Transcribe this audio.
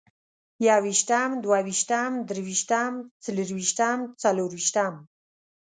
يوويشتم، دوه ويشتم، درويشتم، څلرويشتم، څلورويشتم